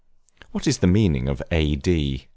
What is the meaning of A.D.?